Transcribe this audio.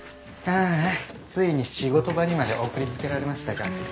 ああついに仕事場にまで送りつけられましたか。